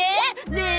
ねえ